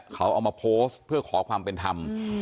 เขาเอามาโพสต์เพื่อขอความเป็นธรรม